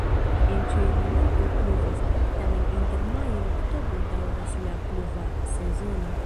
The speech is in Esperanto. En ĉiuj monatoj pluvas, tamen inter majo-oktobro daŭras la pluva sezono.